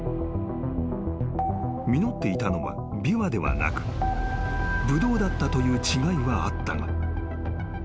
［実っていたのはビワではなくブドウだったという違いはあったが］